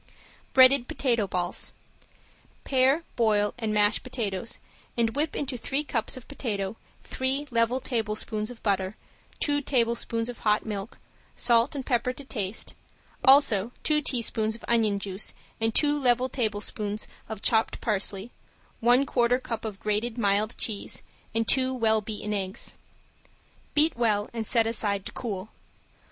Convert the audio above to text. ~BREADED POTATO BALLS~ Pare, boil and mash potatoes and whip into three cups of potato three level tablespoons of butter, two tablespoons of hot milk, salt and pepper to taste; also two teaspoons of onion juice and two level tablespoons of chopped parsley, one quarter cup of grated mild cheese and two well beaten eggs. Beat well and set aside to cool.